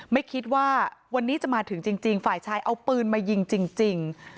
ไม่คิดว่าวันนี้จะมาถึงจริงฝ่ายชายเอาปืนมายิงจริง